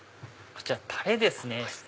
こちらたれですね。